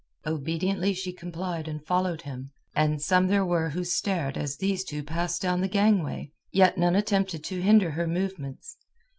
Obediently she complied and followed him, and some there were who stared as these two passed down the gangway, yet none attempted to hinder her movements.